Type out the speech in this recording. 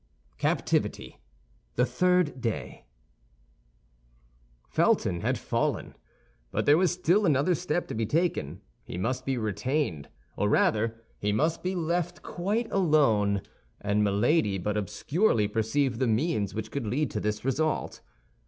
CAPTIVITY: THE THIRD DAY Felton had fallen; but there was still another step to be taken. He must be retained, or rather he must be left quite alone; and Milady but obscurely perceived the means which could lead to this result.